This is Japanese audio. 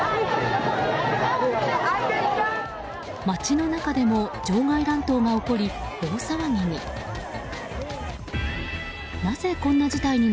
街の中でも場外乱闘が起こり大騒ぎに。